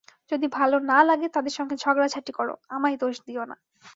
যদি ভাল না লাগে, তাদের সঙ্গে ঝগড়া-ঝাঁটি কর, আমায় দোষ দিও না।